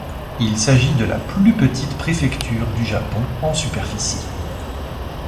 Il s'agit de la plus petite préfecture du Japon en superficie.